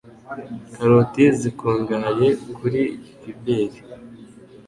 Karoti zikungahaye kuri 'Fiber